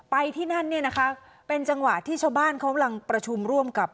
ที่นั่นเนี่ยนะคะเป็นจังหวะที่ชาวบ้านเขากำลังประชุมร่วมกับ